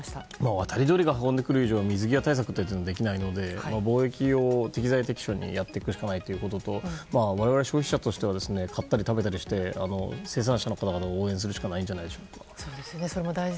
渡り鳥が運んでくる以上水際対策はできないので防疫を適材適所にやってくしかないのと我々、消費者としては買ったり食べたりして生産者の方を応援するしかないんじゃないですか。